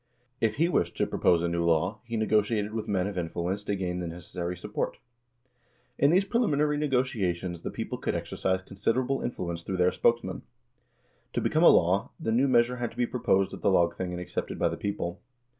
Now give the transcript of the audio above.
If he wished to propose a new law, he negotiated with men of influence to gain the necessary support. In these preliminary negotiations the people could exercise considerable influence through their spokesmen. To become a law, the new measure had to be proposed at the lagthing and accepted by the people.